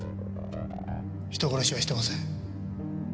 人殺しはしてません。